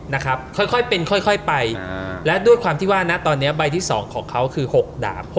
นะครับค่อยเป็นค่อยไปและด้วยความที่ว่านะตอนนี้ใบที่๒ของเขาคือ๖ดาบ